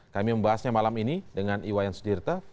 kami membahasnya malam ini dengan iwayan sudirta